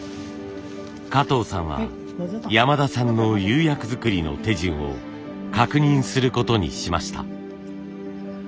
加藤さんは山田さんの釉薬づくりの手順を確認することにしました。